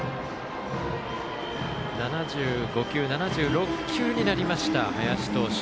７６球になりました、林投手。